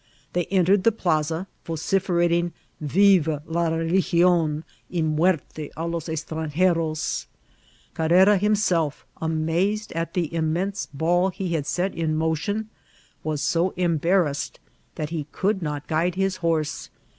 They entered the plan, Tociferating '^ Virm la religion, y muerte a los etrangeros !" Carrera him self, amazed at the immense ball he had set in motitm^ was so embarrassed that he could not guide his luNrse.